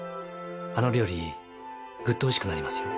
あの料理グッとおいしくなりますよ。